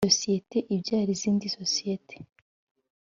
sosiyete ibyara izindi sosiyete